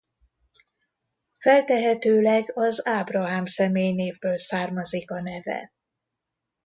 Feltehetőleg az Ábrahám személynévből származik a neve.